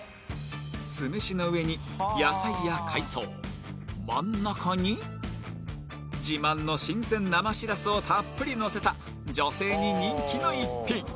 酢飯の上に野菜や海藻真ん中に自慢の新鮮生しらすをたっぷりのせた女性に人気の逸品！